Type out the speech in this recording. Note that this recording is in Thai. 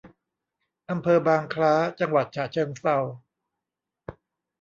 อำเภอบางคล้า จังหวัดฉะเชิงเทรา